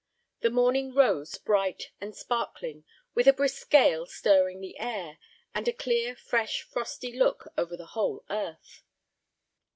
The morning rose bright and sparkling, with a brisk gale stirring the air, and a clear, fresh, frosty look over the whole earth.